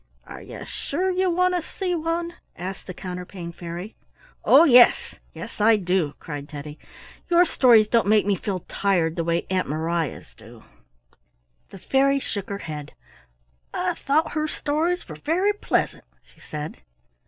"Are you sure you want to see one?" asked the Counterpane Fairy. "Oh, yes, yes, I do!" cried Teddy. "Your stories don't make me feel tired the way Aunt Mariah's do." The fairy shook her head. "I thought her stories were very pleasant," she said.